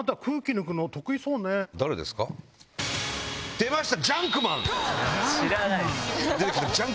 出ました！